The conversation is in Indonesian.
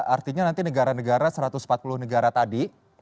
artinya nanti negara negara satu ratus empat puluh negara tadi